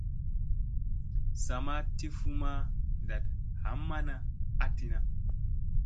Sa ma ti fu ma ndat ɦammana a tina.